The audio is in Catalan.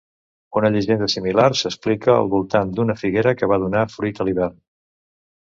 Una llegenda similar s'explica al voltant d'una figuera que va donar fruit a l'hivern.